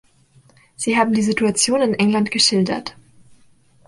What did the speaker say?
Sie haben die Situation in England geschildert.